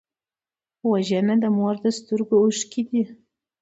وژنه د مور د سترګو اوښکې دي